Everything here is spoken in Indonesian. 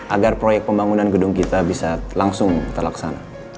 agar proyek pembangunan gedung kita bisa langsung terlaksana